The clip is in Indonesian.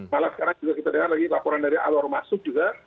malah sekarang juga kita dengar lagi laporan dari alur masuk juga